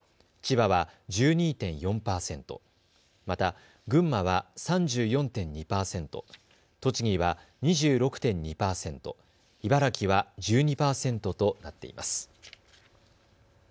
神奈川は１３．３３％、千葉は１２．４％、また群馬は３４．２％、栃木は２６．２％、茨城は１２％となっています。